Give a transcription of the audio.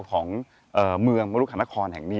ของเมืองมรุหานครแห่งนี้